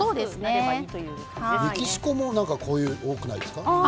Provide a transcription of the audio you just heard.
メキシコもこういうの、多くないですか？